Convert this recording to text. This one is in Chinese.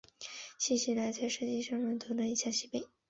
新西兰在射击项目上获得以下席位。